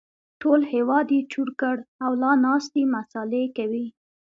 ټول هېواد يې چور کړ او لا ناست دی مسالې کوي